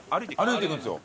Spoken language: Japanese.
歩いて行くんですよ。